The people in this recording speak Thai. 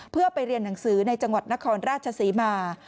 เพื่อไปเรียนหนังสือในจังหวัดนครราชศรีมา